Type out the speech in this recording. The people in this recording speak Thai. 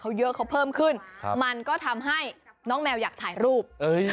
เขาเยอะเขาเพิ่มขึ้นมันก็ทำให้น้องแมวอยากถ่ายรูป